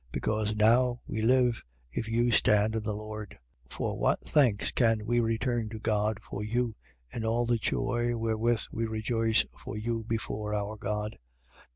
3:8. Because now we live, if you stand in the Lord. 3:9. For what thanks can we return to God for you, in all the joy wherewith we rejoice for you before our God, 3:10.